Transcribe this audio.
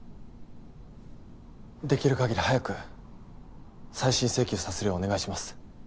できる限り早く再審請求させるようお願いします。